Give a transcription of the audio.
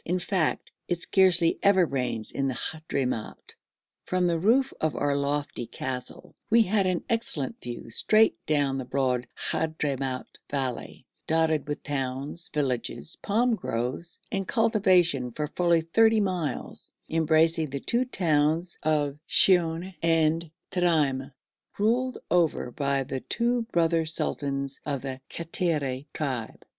In fact, it scarcely ever rains in the Hadhramout. From the roof of our lofty castle we had an excellent view straight down the broad Hadhramout valley, dotted with towns, villages, palm groves, and cultivation for fully thirty miles, embracing the two towns of Siwoun and Terim, ruled over by the two brother sultans of the Kattiri tribe.